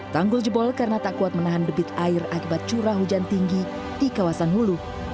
tanggul jebol karena tak kuat menahan debit air akibat curah hujan tinggi di kawasan hulu